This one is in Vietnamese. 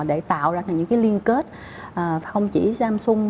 để tạo ra những liên kết không chỉ samsung